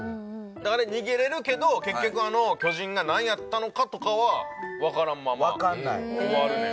あれ逃げられるけど結局あの巨人がなんやったのかとかはわからんまま終わるねん。